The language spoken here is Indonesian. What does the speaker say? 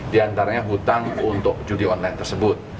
di antaranya hutang untuk judi online tersebut